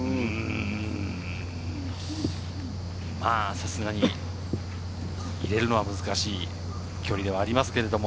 さすがに入れるのは難しい距離ではありますけれど。